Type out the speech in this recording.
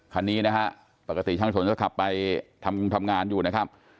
คันนี้นะฮะปกติช่างสนก็ขับไปทำงานอยู่นะครับ